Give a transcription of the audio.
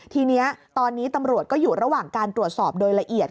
ทีนี้ตอนนี้ตำรวจก็อยู่ระหว่างการตรวจสอบโดยละเอียด